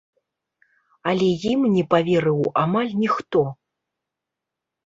Але ім не паверыў амаль ніхто.